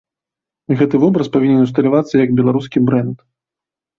Гэты вобраз павінен усталявацца як беларускі брэнд.